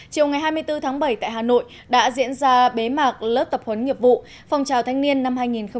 chiều ngày hai mươi bốn tháng bảy tại hà nội đã diễn ra bế mạc lớp tập huấn nghiệp vụ phòng trào thanh niên năm hai nghìn hai mươi